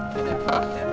terima kasih pak